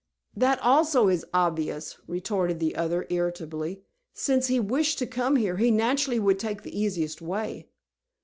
"That also is obvious," retorted the other, irritably. "Since he wished to come here, he naturally would take the easiest way."